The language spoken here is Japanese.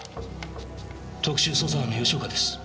特殊捜査班の吉岡です。